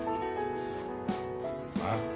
ああ？